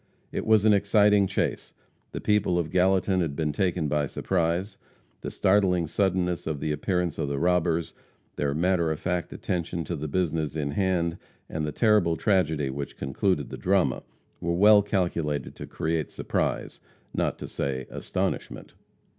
It was an exciting chase. The people of Gallatin had been taken by surprise. The startling suddenness of the appearance of the robbers; their matter of fact attention to the business in hand, and the terrible tragedy which concluded the drama, were well calculated to create surprise, not to say astonishment.